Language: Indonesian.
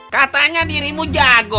katanya dirimu jago